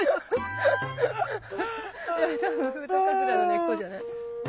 多分フウトウカズラの根っこじゃない？